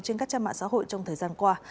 trên các trang mạng xã hội trong thời gian qua